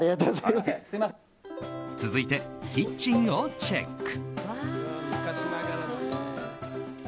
続いて、キッチンをチェック。